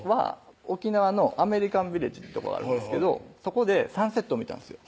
沖縄のアメリカンビレッジってとこがあるんですけどそこでサンセットを見たんですよ